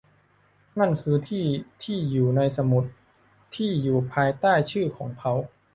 นั่นคือที่อยู่ที่อยู่ในสมุดที่อยู่ภายใต้ชื่อของเขา